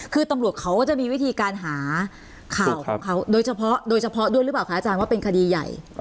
คือตำรวจเขาก็จะมีวิธีการหาข่าวของเขาโดยเฉพาะโดยเฉพาะด้วยหรือเปล่าคะอาจารย์ว่าเป็นคดีใหญ่